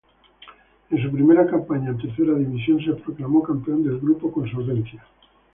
En su primera campaña en Tercera División se proclamó campeón del grupo con solvencia.